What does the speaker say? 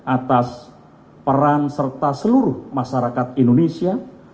atas peran serta seluruh masyarakat indonesia